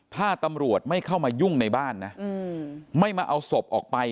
ถ้าตำรวจไม่เข้ามายุ่งในบ้านนะไม่มาเอาศพออกไป